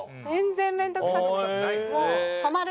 全然面倒くさくない。